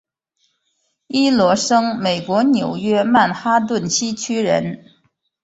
伊罗生美国纽约曼哈顿西区人。